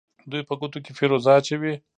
دوی په ګوتو کې فیروزه اچوي.